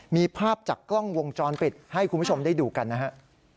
มีภาพจากกล้องวงจรปิดให้คุณผู้ชมได้ดูกันนะฮะ